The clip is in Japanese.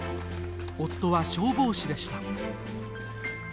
夫は消防士でした。